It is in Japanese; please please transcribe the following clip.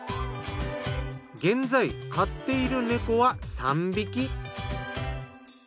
現在飼っている猫は３匹。